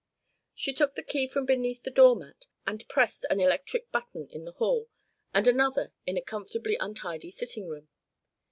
She took the key from beneath the door mat, and pressed an electric button in the hall and another in a comfortable untidy sitting room.